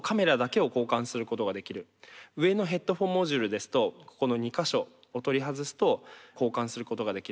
上のヘッドホンモジュールですとここの２か所を取り外すと交換することができる。